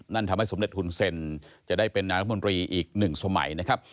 นั่นทำให้สมเด็จหุ่นเซ็นจะได้เป็นนางรัฐมนตรีอีกหนึ่งสมัยนะครับ